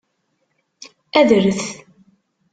Adret.